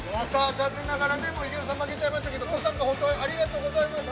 ◆残念ながら池田さん負けちゃいましたけれども、ご参加ありがとうございました。